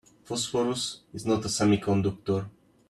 Phosphorus is not a semiconductor.